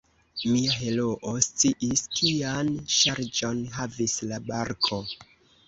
Mia heroo sciis, kian ŝarĝon havis la barko.